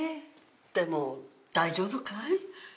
でも大丈夫かい？